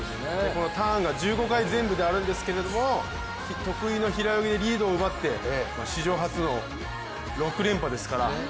ターンが１５回全部であるんですけれども、得意の平泳ぎでリードを奪って史上初の６連覇ですから。